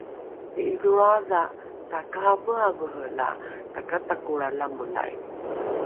ni’idholroadha takaraveravere la takatakolra lamolai